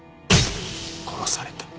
殺された。